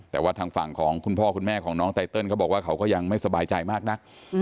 แต่ว่าทางฝั่งของคุณพ่อคุณแม่ของน้องไตเติลเขาบอกว่าเขาก็ยังไม่สบายใจมากนัก